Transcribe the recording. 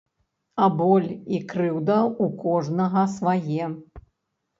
А боль і крыўда ў кожнага свае.